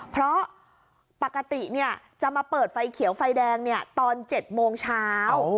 เพราะปกติจะมาเปิดไฟเขียวไฟแดงตอน๗โมงเช้า